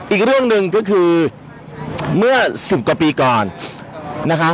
อีกเรื่องหนึ่งก็คือเมื่อ๑๐กว่าปีก่อนนะครับ